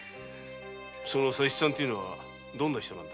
佐七さんというのはどんな人なのだ？